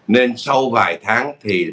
nên sau vài tháng thì bắt đầu